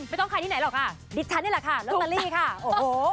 ไม่ต้องขายที่ไหนหรอกคะดิริชท์ทางนี้แหละค่ะรถกันลี่ค่ะโอ้โห